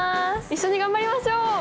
一緒に頑張りましょう！